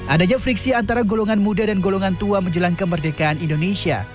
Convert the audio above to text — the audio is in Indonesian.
adanya friksi antara golongan muda dan golongan tua menjelang kemerdekaan indonesia